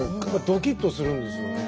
ドキッとするんですよね。